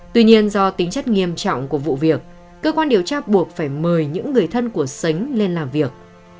tuy nhiên do tính chất nghiêm trọng của vụ việc cơ quan điều tra buộc phải mời những người thân của sánh lên làm việc